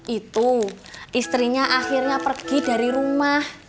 itu istrinya akhirnya pergi dari rumah